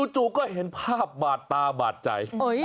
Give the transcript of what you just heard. จู่ก็เห็นภาพบาดตาบาดใจ